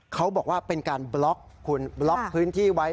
เขาบอกว่าเป็นการบล็อกคุณบล็อกพื้นที่ไว้